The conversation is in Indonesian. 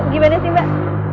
gimana sih mbak